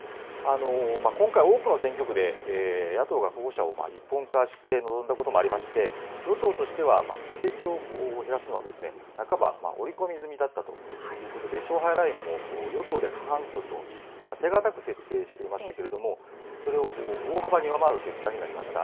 今回、多くの選挙区で野党が候補者を一本化して臨んだこともありまして、与党としては、議席を減らすのは、半ば織り込み済みだったということで、勝敗ラインも与党で過半数と、手堅く設定していましたけれども、それを大幅に上回る結果になりました。